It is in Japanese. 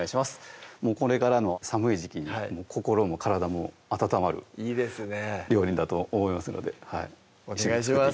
これからの寒い時季に心も体も温まる料理だと思いますのでお願いします